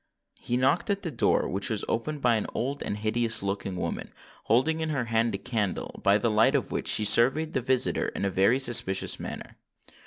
He knocked at the door, which was opened by an old and hideous looking woman, holding in her hand a candle, by the light of which she surveyed the visitor in a very suspicions manner.